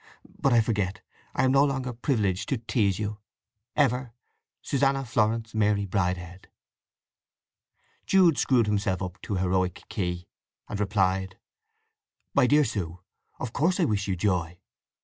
But I forget: I am no longer privileged to tease you.—Ever, SUSANNA FLORENCE MARY BRIDEHEAD. Jude screwed himself up to heroic key; and replied: MY DEAR SUE,—Of course I wish you joy!